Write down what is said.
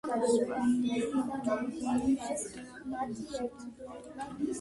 სპასალარი ადგილობრივი მხედართმთავარი იყო.